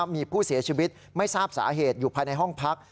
มีผู้เสียชีวิตไม่ทราบสาเหตุอยู่ภายในห้องพัก